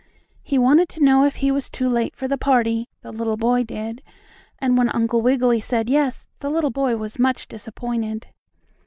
He wanted to know if he was too late for the party, the little boy did, and when Uncle Wiggily said yes, the little boy was much disappointed.